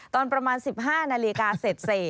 ตอนประมาณ๑๕นาฬิกาเสร็จ